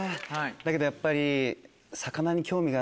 だけどやっぱり。